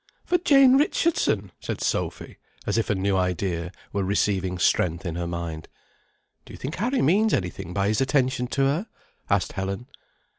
"For Jane Richardson!" said Sophy, as if a new idea were receiving strength in her mind. "Do you think Harry means any thing by his attention to her?" asked Helen.